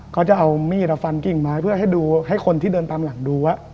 เขาจะเอามีดฟันกิ่งไม้เพื่อให้ดูให้คนที่เดินตามหลังดูว่า